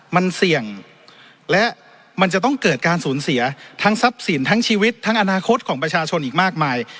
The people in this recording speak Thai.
มันเสี่ยงและมันจะต้องเกิดการสูญเสียทั้งทรัพย์สินทั้งชีวิตทั้งอนาคตของประชาชนอีกมากมาย